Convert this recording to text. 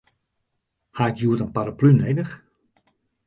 Ha ik hjoed in paraplu nedich?